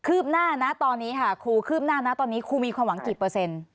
เอาอย่างนี้ครูคืบหน้าตอนนี้ครูมีความหวังกี่เปอร์เซ็นต์